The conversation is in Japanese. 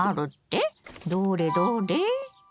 どれどれ？